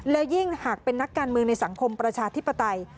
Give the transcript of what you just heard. แล้วยิ่งหากเป็นนักการเมืองในสังคมประชาธิปไตย